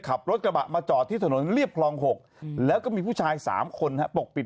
ขับรถกระบะมาเดี๋ยวถนนเรียบคลองหกแล้วก็มีผู้ชายสามคนมาปรบปิด